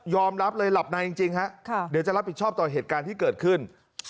รับเลยหลับในจริงฮะเดี๋ยวจะรับผิดชอบต่อเหตุการณ์ที่เกิดขึ้น